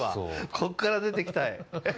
ここから出てきたい。